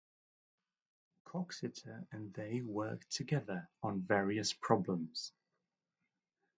Coxeter and they worked together on various problems.